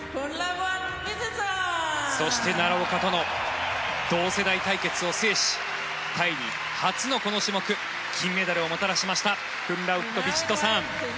そして、奈良岡との同世代対決を制しタイに初のこの種目金メダルをもたらしたクンラウット・ヴィチットサーン。